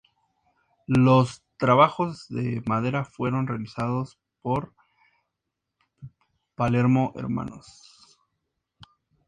Los trabajos de madera fueron realizados por Palermo Hnos.